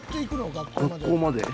学校まで？